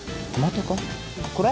これ？